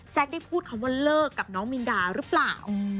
ได้พูดคำว่าเลิกกับน้องมินดาหรือเปล่า